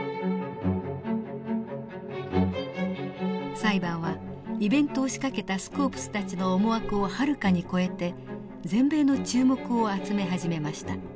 裁判はイベントを仕掛けたスコープスたちの思惑をはるかに超えて全米の注目を集め始めました。